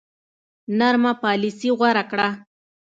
نرمه پالیسي غوره کړه.